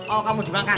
oh kamu dimakan